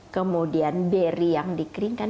kemudian beri yang dikeringkan